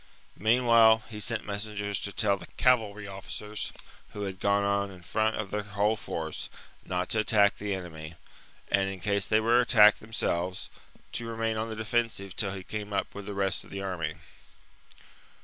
Meanwhile he sent messengers to tell the cavalry officers, who had gone on in front with their whole force, not to attack the enemy, and, in case they were attacked themselves, to remain IV USIPETES AND TENCTERI 105 on the defensive till he came up with the rest of 55 b.c. the army.